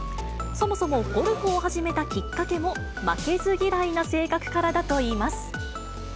そもそもゴルフを始めたきっかけも、負けず嫌いな性格からだといいます。